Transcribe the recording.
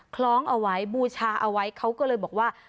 คล้องเอาไว้บูชาเอาไว้เขาก็เลยบอกว่า